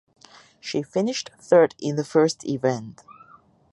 She finished third in the first event.